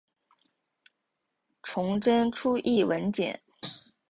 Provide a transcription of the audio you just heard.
崇祯初谥文简。